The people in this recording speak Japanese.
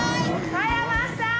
加山さん！